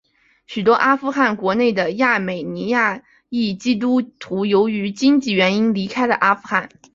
许多阿富汗国内的亚美尼亚裔基督徒由于经济原因离开了阿富汗。